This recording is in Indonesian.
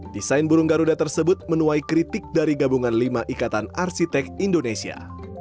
desain burung garuda tersebut menuai kritik dari gabungan lima ikatan arsitek indonesia